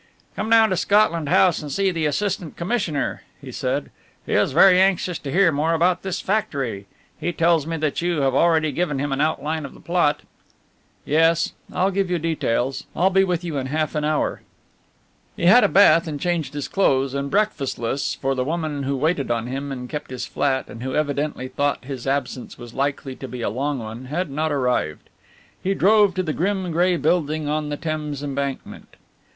"Come down to Scotland House and see the Assistant Commissioner," he said, "he is very anxious to hear more about this factory. He tells me that you have already given him an outline of the plot." "Yes I'll give you details I'll be with you in half an hour." He had a bath and changed his clothes, and breakfastless, for the woman who waited on him and kept his flat and who evidently thought his absence was likely to be a long one, had not arrived. He drove to the grim grey building on the Thames Embankment.